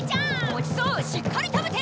ごちそうしっかり食べて。